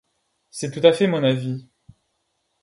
C’est tout à fait mon avis.